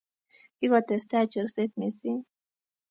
Kikotestai chorset missing